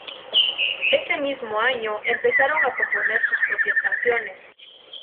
Ese mismo año empezaron a componer sus propias canciones.